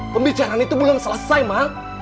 pembicaraan itu belum selesai ma